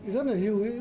rất là hưu ý